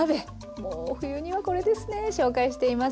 もう冬にはこれですね紹介しています。